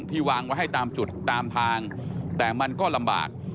วางไว้ให้ตามจุดตามทางแต่มันก็ลำบาก